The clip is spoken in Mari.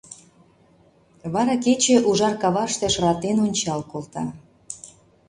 Вара кече ужар каваште шыратен ончал колта.